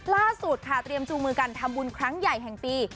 ล่าสุดค่ะเตรียมจูงมือกันทำบุญครั้งใหญ่แห่งปี